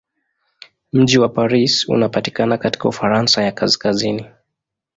Mji wa Paris unapatikana katika Ufaransa ya kaskazini.